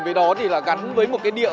đây là dịp để ng mma current